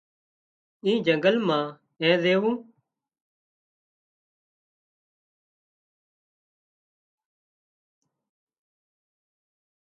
ڪي جنگل مان اين زويوون